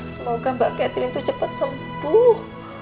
semoga mbak catherine tuh cepet sembuh